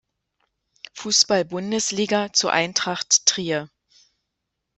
Fußball-Bundesliga zu Eintracht Trier.